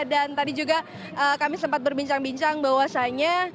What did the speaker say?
dan tadi juga kami sempat berbincang bincang bahwasanya